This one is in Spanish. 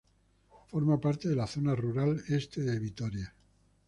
Forma parte de la Zona Rural Este de Vitoria.